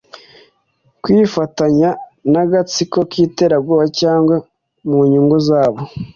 kwifatanya n’agatsiko k’ iterabwoba cyangwa mu nyungu zabo